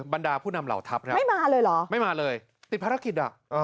บรรดาผู้นำเหล่าทัพไม่มาเลยเหรอไม่มาเลยติดภารกิจอ่ะ